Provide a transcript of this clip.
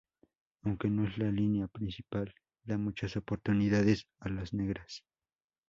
Aunque no es la línea principal da muchas oportunidades a las negras.